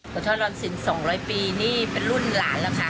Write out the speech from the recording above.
ทอดร้อนสิน๒๐๐ปีนี่เป็นรุ่นหลานแล้วค่ะ